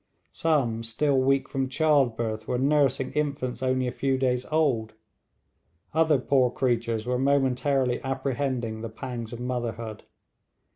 Some, still weak from childbirth, were nursing infants only a few days old; other poor creatures were momentarily apprehending the pangs of motherhood.